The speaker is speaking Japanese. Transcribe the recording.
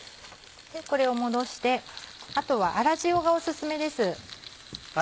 これを戻してあとは粗塩がオススメです。